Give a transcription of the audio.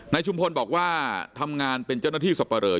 นายชุมพลบอกว่าทำงานเป็นเจ้าหน้าที่สประเริ่ม